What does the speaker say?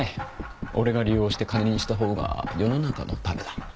俺が利用して金にしたほうが世の中のためだ。